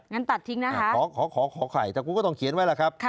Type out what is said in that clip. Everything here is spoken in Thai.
งั้นตัดทิ้งนะคะขอไข่แต่คุณก็ต้องเขียนไว้ล่ะครับ